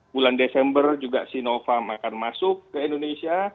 bulan desember juga sinovac akan masuk ke indonesia